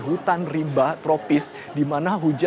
hutan rimba tropis di mana